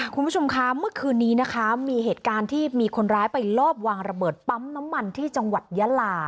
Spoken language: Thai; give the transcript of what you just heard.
คุณผู้ชมคะเมื่อคืนนี้นะคะมีเหตุการณ์ที่มีคนร้ายไปลอบวางระเบิดปั๊มน้ำมันที่จังหวัดยาลา